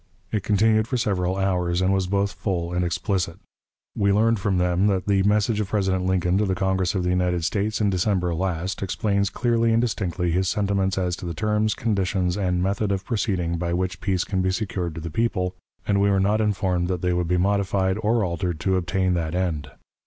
It continued for several hours, and was both full and explicit. We learned from them that the message of President Lincoln to the Congress of the United States, in December last, explains clearly and distinctly his sentiments as to the terms, conditions, and method of proceeding by which peace can be secured to the people, and we were not informed that they would be modified or altered to obtain that end.